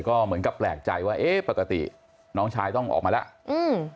ก็เหมือนกับแปลกใจว่าเอ๊ะปกติน้องชายต้องออกมาแล้วอืม